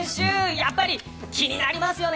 やっぱり気になりますよね。